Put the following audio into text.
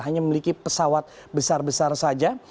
hanya memiliki pesawat besar besar saja